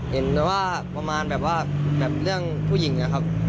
เห็นแบบว่าประมาณแบบว่าแบบเรื่องผู้หญิงนะครับ